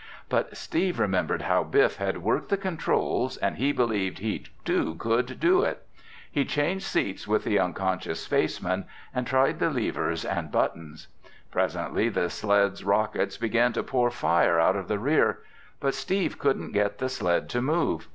But Steve remembered how Biff had worked the controls and he believed he, too, could do it. He changed seats with the unconscious spaceman and tried the levers and buttons. Presently the sled's rockets began to pour fire out of the rear. But Steve couldn't get the sled to move.